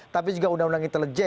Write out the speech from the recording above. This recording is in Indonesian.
tapi juga undang undang intelijen